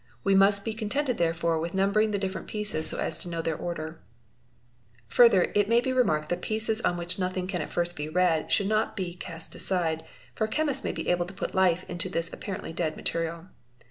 We must be contented therefore with numbering the different pieces 80 as to know their order. oe 61 Ss 9 Fae 482 | DRAWING AND ALLIED ARTS Further it may be remarked that pieces on which nothing can at first be read should not be cast aside, for a chemist may be able to at life into this apparently dead material.